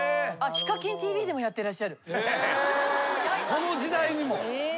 この時代にも。